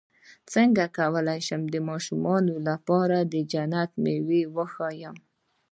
څنګه کولی شم د ماشومانو لپاره د جنت مېوې وښایم